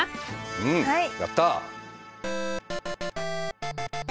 うんやった。